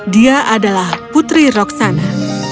dia adalah putri roksana